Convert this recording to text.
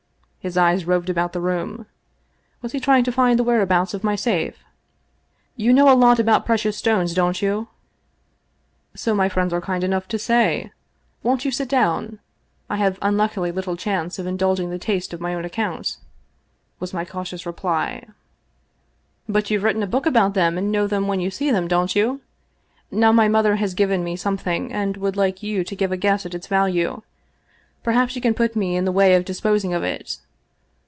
His eyes roved about the room. Was he trying to find the whereabouts of my safe ?" You know a lot about precious stones, don't you?" " So my friends are kind enough to say. Won't you sit 284 The Great Valdez Sapphire down ? I have unluckily little chance of indulging the taste on my own account," was my cautious reply. " But you've written a book about them, and know them when you see them, don't you ? Now my mother has given me something, and would like you to give a guess at its value. Perhaps you can put me in the way of disposing of it?"